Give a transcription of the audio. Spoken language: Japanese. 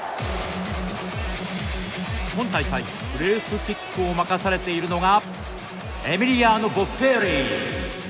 今大会、プレースキックを任されているのがエミリアーノ・ボッフェーリ。